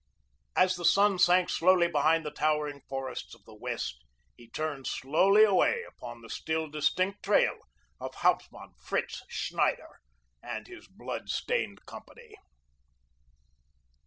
As the sun sank slowly behind the towering forests of the west, he turned slowly away upon the still distinct trail of Hauptmann Fritz Schneider and his blood stained company.